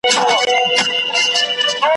دا ایمل ایمل ایمل پلرونه `